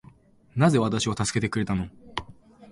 なぜ私を助けてくれたの